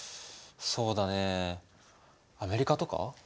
そうだねアメリカとか？